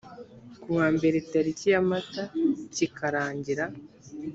kuwa mbere tariki ya mata kikarangira .